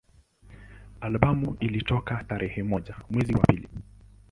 Albamu ilitoka tarehe moja mwezi wa pili